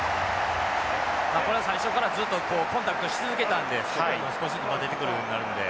これは最初からずっとコンタクトし続けたんでスコットランドが少しずつバテてくるようになるんで。